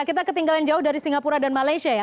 kita ketinggalan jauh dari singapura dan malaysia ya